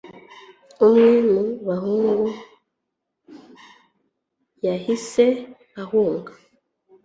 Umwe mu bahungu yahise ahunga